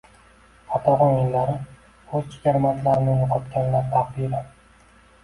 Qatag‘on yillari o‘z jigarbandlarini yo‘qotganlar taqdiri